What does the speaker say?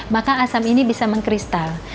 maka asam ini bisa mengkristal